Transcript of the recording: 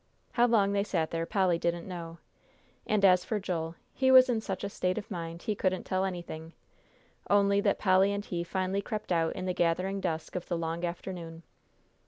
How long they sat there, Polly didn't know, and as for Joel, he was in such a state of mind, he couldn't tell anything, only that Polly and he finally crept out in the gathering dusk of the long afternoon.